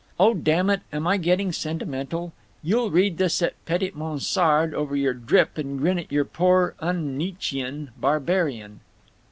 Oh damn it, am I getting sentimental? You'll read this at Petit Monsard over your drip & grin at your poor unnietzschean barbarian.